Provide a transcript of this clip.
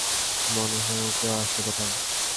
মনে হয় কেউ আসছে - কোথায়?